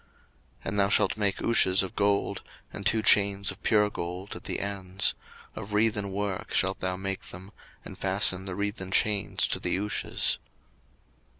02:028:013 And thou shalt make ouches of gold; 02:028:014 And two chains of pure gold at the ends; of wreathen work shalt thou make them, and fasten the wreathen chains to the ouches.